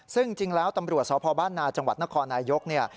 ซึ่งจริงแล้วตำรวจสพบ้านนาจังหวัดนครนายกเนี่ย